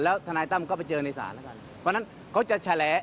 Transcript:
แล้วทนายตั้มก็ไปเจอในศาลแล้วกันเพราะฉะนั้นเขาจะแฉ